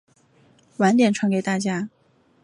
晚点传给大家